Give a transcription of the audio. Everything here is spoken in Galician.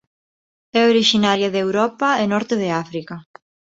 É orixinaria de Europa e norte de África.